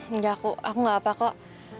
enggak aku aku gak apa apa kok